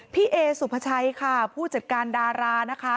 พี่เอสุภาชัยค่ะผู้จัดการดารานะคะ